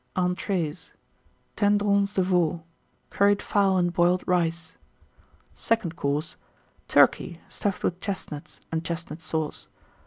ENTREES. Tendrons de Veau. Curried Fowl and Boiled Rice. SECOND COURSE. Turkey, stuffed with Chestnuts, and Chestnut Sauce.